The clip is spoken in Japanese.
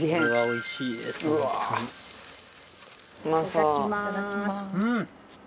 いただきます。